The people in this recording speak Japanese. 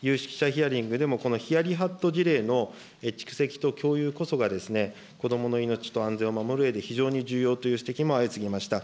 ヒアリングでも、このヒヤリハット事例の蓄積と共有こそが、子どもの命と安全を守るうえで非常に重要という指摘も相次ぎました。